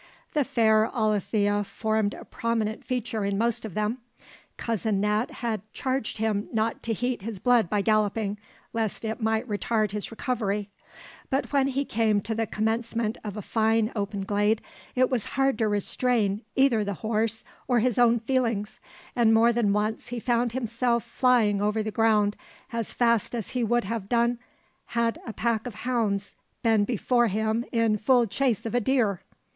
The fair Alethea formed a prominent feature in most of them. Cousin Nat had charged him not to heat his blood by galloping, lest it might retard his recovery; but when he came to the commencement of a fine open glade, it was hard to restrain either the horse or his own feelings, and more than once he found himself flying over the ground as fast as he would have done had a pack of hounds been before him in full chase of a deer.